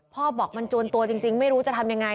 พ่อบอกมันจวนตัวจริงไม่รู้จะทำยังไง